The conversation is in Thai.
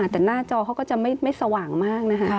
แต่หน้าจอเขาก็จะไม่สว่างมากนะคะ